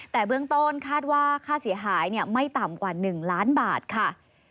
แต่เบื้องต้นคาดว่าค่าเสียหายไม่ต่ำกว่า๑ล้านบาทค่ะ